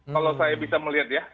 kalau saya bisa melihat ya